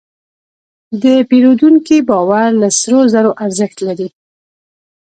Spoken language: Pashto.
د پیرودونکي باور له سرو زرو ارزښت لري.